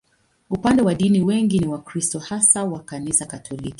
Upande wa dini, wengi ni Wakristo, hasa wa Kanisa Katoliki.